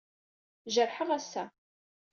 Jerḥeɣ ass-a.